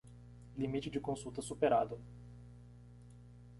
Limite de consultas superado.